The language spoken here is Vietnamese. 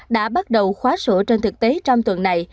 đã bắt đầu khóa sổ trên thực tế trong tuần này